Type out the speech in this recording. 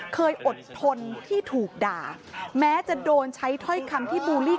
อดทนที่ถูกด่าแม้จะโดนใช้ถ้อยคำที่บูลลี่